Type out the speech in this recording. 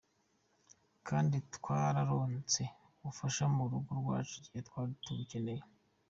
"Kandi twararonse ubufasha mu rugo rwacu igihe twari tubukeneye.